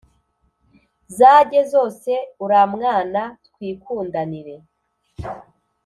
zajye zose uramwana twikundanire”